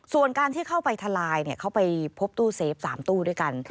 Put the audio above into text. ส่วนการที่เข้าไปทลายเขาไปพบตู้เซฟ๓ตู้ด้วยกัน